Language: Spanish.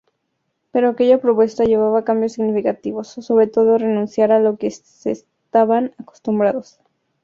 Pero aquella propuesta llevaba cambios significativos, sobre todo renunciar a lo que estaban acostumbrados.